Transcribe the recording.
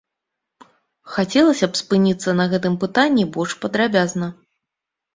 Хацелася б спыніцца на гэтым пытанні больш падрабязна.